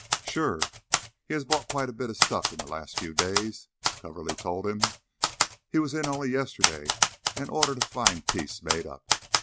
"Sure! He has bought quite a bit of stuff in the last few days," Coverly told him. "He was in only yesterday and ordered a fine piece made up.